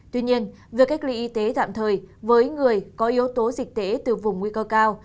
tuy nhiên việc cách ly y tế tạm thời với người có yếu tố dịch tễ từ vùng nguy cơ cao